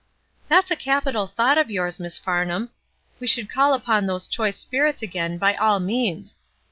'*That is a capital thought of yours, Miss Farnham. We should call upon those choice spirits again, by all means.